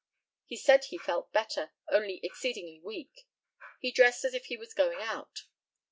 He said he felt better, only exceedingly weak. He dressed as if he was going out.